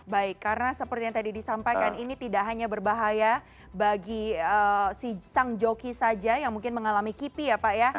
baik karena seperti yang tadi disampaikan ini tidak hanya berbahaya bagi si sang joki saja yang mungkin mengalami kipi ya pak ya